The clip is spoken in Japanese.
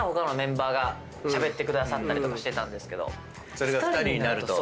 それが２人になると。